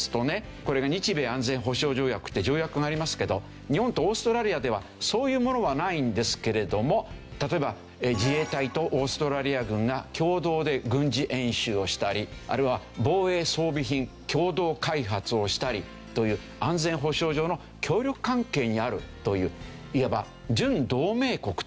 これが日米安全保障条約って条約がありますけど日本とオーストラリアではそういうものはないんですけれども例えば自衛隊とオーストラリア軍が共同で軍事演習をしたりあるいは防衛装備品共同開発をしたりという安全保障上の協力関係にあるといういわば準同盟国と。